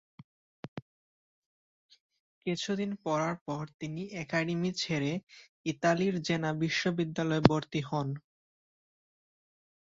কিছুদিন পড়ার পর তিনি অ্যাকাডেমি ছেড়ে ইতালির জেনা বিশ্ববিদ্যালয়ে ভর্তি হন।